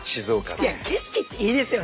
景色っていいですよね